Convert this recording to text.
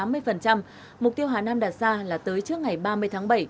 mục tiêu hà nam đặt ra là tới trước ngày ba mươi tháng bảy